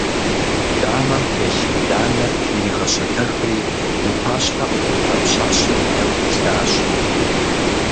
Дамэм телъ бланэр иригъэщэтэхри, и пащхьэ къихута пщащэм и нэгум иплъащ.